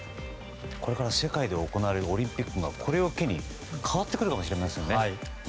これから世界で行われるオリンピックがこれを機に変わってくるかもしれないですよね。